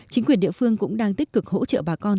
chính quyền địa phương cũng đang tích cực hỗ trợ bà con